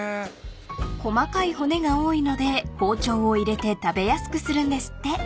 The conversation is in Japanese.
［細かい骨が多いので包丁を入れて食べやすくするんですって］